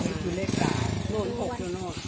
นี่คือเลข๖